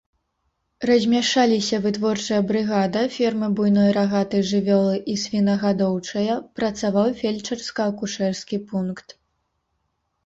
Размяшчаліся вытворчая брыгада, фермы буйной рагатай жывёлы і свінагадоўчая, працаваў фельчарска-акушэрскі пункт.